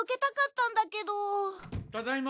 ただいま。